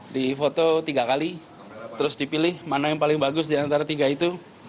di foto tiga kali terus dipilih mana yang paling bagus diantara tiga itu